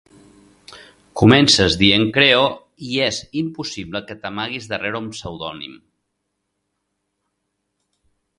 Comences dient "creo" i és impossible que t'amaguis darrere un pseudònim.